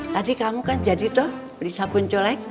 tadi kamu kan jadi toh beli sabun colek